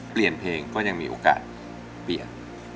เปลี่ยนเพลงก็ยังมีโอกาสเปลี่ยน